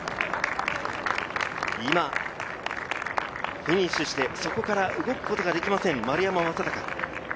フィニッシュして、そこから動くことができません、丸山真孝。